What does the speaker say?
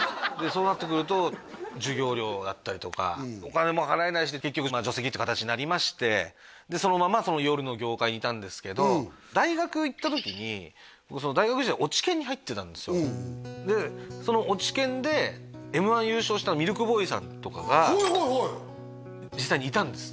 そうなってくると授業料だったりとかお金も払えないし結局除籍という形になりましてでそのまま夜の業界にいたんですけど大学行った時にその大学時代落研に入ってたんですよでその落研でＭ−１優勝したミルクボーイさんとかが実際にいたんです